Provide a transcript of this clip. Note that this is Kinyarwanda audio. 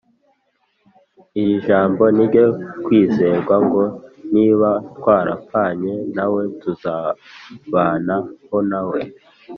Iri jambo ni iryo kwizerwa, ngo niba twarapfanye na we, tuzabanaho na we;